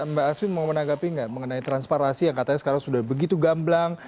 mbak aswin mau menanggapi nggak mengenai transparansi yang katanya sekarang sudah begitu gamblang